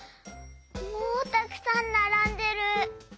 もうたくさんならんでる。